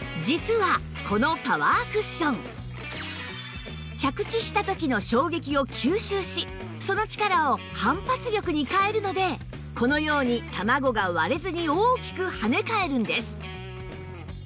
実はこのパワークッション着地した時の衝撃を吸収しその力を反発力に変えるのでこのように卵が割れずに大きくはね返るんです